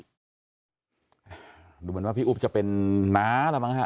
เหมือนว่าพี่อุ๊บจะเป็นน้าแล้วมั้งฮะ